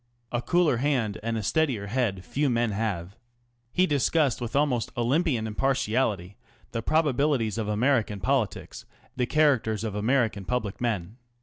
A cooler hand and a steadier head few men have. He discussed with almost Olympian impartiality the probabilities of American politics, the characters of American public men.